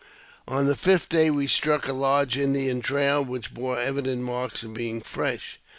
On the fifth day we struck a large Indian trail, which bore evident marks of being fresh.